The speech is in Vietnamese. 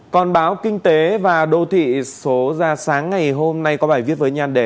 còn báo kinh tế và đô thị số ra sáng ngày hôm nay có bài viết với nhan đề